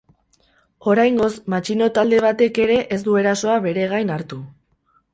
Oraingoz, matxino talde batek ere ez du erasoa bere gain hartu.